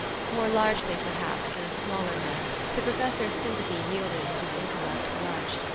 More largely, perhaps, than a smaller man, the professor's s}Tnpathy jdelded what his intellect grudged.